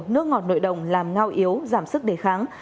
nước ngọt nội đồng làm ngao yếu giảm sức đề kháng